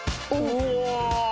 うわ！